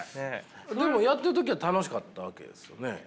でもやってる時は楽しかったわけですよね？